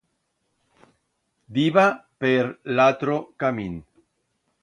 Diba per l'atro camín.